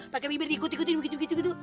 pakai bibir diikut ikutin begitu begitu